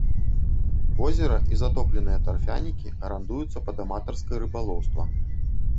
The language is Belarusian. Возера і затопленыя тарфянікі арандуюцца пад аматарскае рыбалоўства.